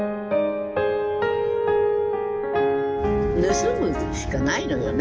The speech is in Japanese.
盗むしかないのよね